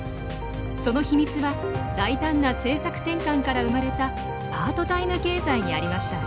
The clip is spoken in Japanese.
その秘密は大胆な政策転換から生まれたパートタイム経済にありました。